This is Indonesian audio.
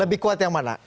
lebih kuat yang mana